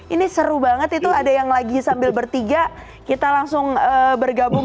ini seru banget itu ada yang lagi sambil bertiga kita langsung bergabung